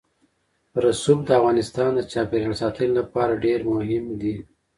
رسوب د افغانستان د چاپیریال ساتنې لپاره ډېر مهم دي.